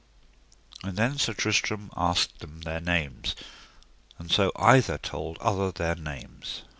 And then Sir Tristram asked them their names, and so either told other their names.